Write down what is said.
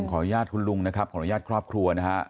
ขออนุญาตคุณลุงนะครับขออนุญาตครอบครัวนะฮะ